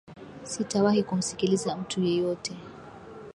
Sitawahi kumsikiliza mtu yetyote